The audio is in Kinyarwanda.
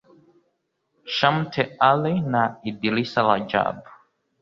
Shamte Ali na Idrissa Rajab